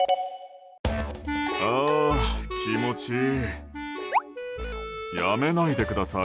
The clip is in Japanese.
ああ、気持ちいい。